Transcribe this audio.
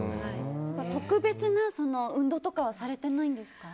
特別な運動とかはされてないんですか？